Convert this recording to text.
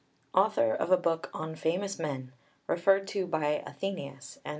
Author of a book On Famous Men, referred to by Athenaeus, xiii.